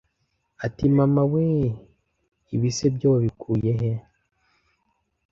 iti “Mama we ! Ibi se byo wabikuye he